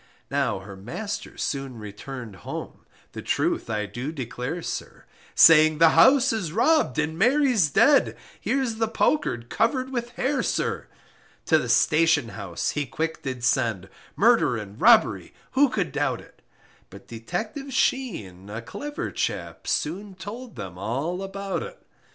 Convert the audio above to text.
Now her master soon returned home, The truth I do declare, sir, Saying the house is rob'd and Mary's dead, Here's the poker cover'd with hair, sir To the station house he quick did send, Murder and robbery, who could doubt it, But Detective Sheen, a clever chap, Soon told them all about it.